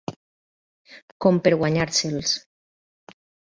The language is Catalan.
Com per guanyar-se'ls.